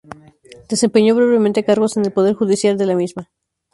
Desempeñó brevemente cargos en el Poder Judicial de la misma.